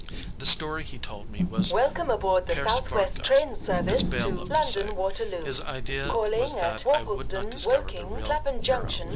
The story he told me was "per sfogarsi," as Bayle loved to say; his idea was that I would not discover the real hero.